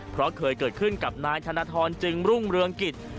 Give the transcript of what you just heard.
เพราะเคยเกิดขึ้นกับนายธนทรจึงรุ่งเรืองกิจ